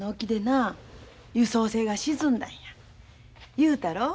言うたろ？